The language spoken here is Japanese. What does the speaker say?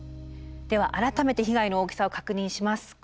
では改めて被害の大きさを確認します。